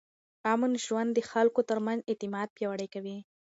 امن ژوند د خلکو ترمنځ اعتماد پیاوړی کوي.